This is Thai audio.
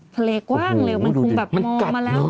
ทะเลกว้างเลยมึงมีแบบมองมาแล้ว